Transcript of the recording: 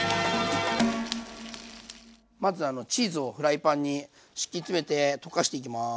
まずチーズをフライパンに敷き詰めて溶かしていきます。